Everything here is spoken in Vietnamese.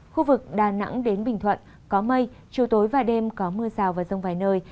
khu vực đà nẵng đến bình thuận có mây chiều tối và đêm có mưa rào và rông vài nơi